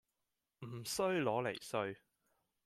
唔衰攞嚟衰